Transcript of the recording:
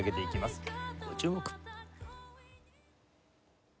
ご注目。